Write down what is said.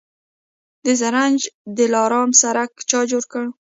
د زرنج دلارام سړک چا جوړ کړ؟